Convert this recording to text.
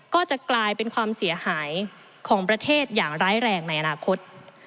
ก็จะกลายเป็นความเสียหายของประเทศอย่างร้ายแรงในอนาคต